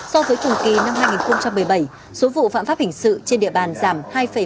so với chủng kỳ năm hai nghìn một mươi bảy số vụ phạm pháp hình sự trên địa bàn giảm hai ba mươi bốn